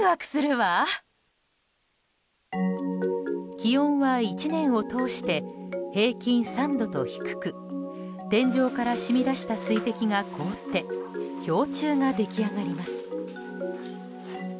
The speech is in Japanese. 気温は、１年を通して平均３度と低く天井から染み出した水滴が凍って氷柱が出来上がります。